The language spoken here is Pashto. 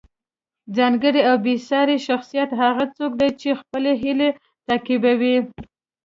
ځانګړی او بې ساری شخصیت هغه څوک دی چې خپلې هیلې تعقیبوي.